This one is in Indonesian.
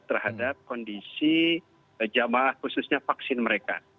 terhadap kondisi jamaah khususnya vaksin mereka